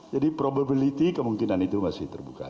jadi probability kemungkinan itu masih terbuka